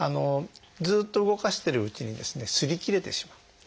ずっと動かしてるうちにですね擦り切れてしまう。